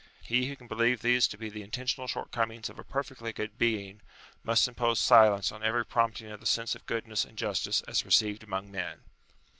He who can believe these to be the intentional shortcomings of a perfectly good Being, must impose silence on every prompting of the sense of goodness and justice as received among men.